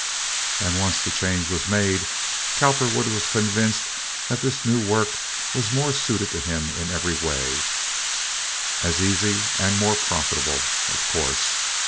And once the change was made Cowperwood was convinced that this new work was more suited to him in every way—as easy and more profitable, of course.